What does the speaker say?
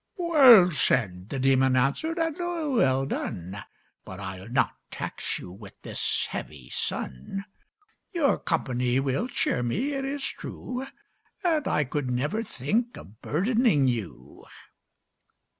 "Well said," the demon answered, "and well done, But I'll not tax you with this heavy sun. "Your company will cheer me, it is true, And I could never think of burdening you."